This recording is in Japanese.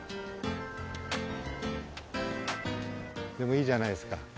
いいじゃないですか。